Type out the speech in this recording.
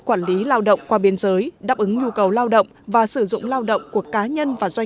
quản lý lao động qua biên giới đáp ứng nhu cầu lao động và sử dụng lao động của cá nhân và doanh